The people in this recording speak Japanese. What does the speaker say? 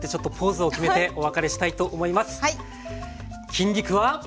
筋肉は。